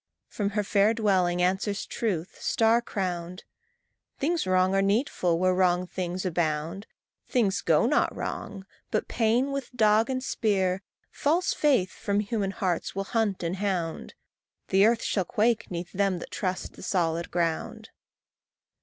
From her fair twilight answers Truth, star crowned, "Things wrong are needful where wrong things abound. Things go not wrong; but Pain, with dog and spear, False faith from human hearts will hunt and hound. The earth shall quake 'neath them that trust the solid ground."